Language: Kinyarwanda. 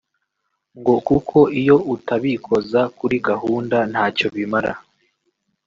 ngo kuko iyo utabikoza kuri gahunda ntacyo bimara